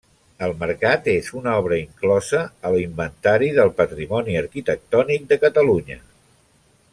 El mercat és una obra inclosa a l'Inventari del Patrimoni Arquitectònic de Catalunya.